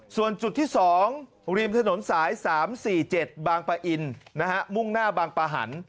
ส่วนจุดที่๒ริมถนนสาย๓๔๗บางปะอินมุ่งหน้าบางปะหัน